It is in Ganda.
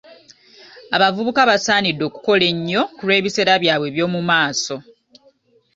Abavubuka basaanidde okukola ennyo ku lw'ebiseera byabwe eby'omu maaaso .